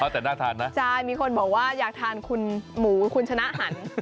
แต่น่าทานนะใช่มีคนบอกว่าอยากทานคุณหมูคุณชนะหัน